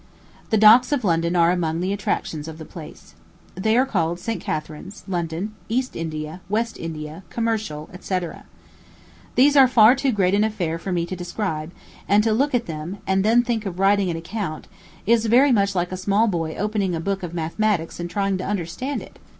The docks of London are among the attractions of the place. They are called St. Catharine's, London, East India, West India, Commercial, &c. These are tar too great an affair for me to describe; and to look at them, and then think of writing an account, is very much like a small boy opening a book of mathematics and trying to understand it.